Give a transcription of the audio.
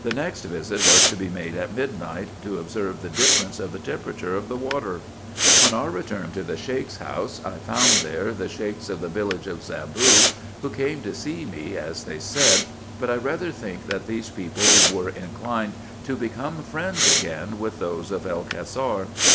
The next visit was to be made at midnight, to observe the difference of the temperature of the water. On our return to the Sheik's house, I found there the Sheiks of the village of Zaboo, who came to see me, as they said, but I rather think that these people were inclined to become friends again with those of El Cassar.